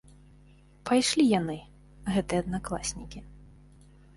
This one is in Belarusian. Пайшлі яны, гэтыя аднакласнікі.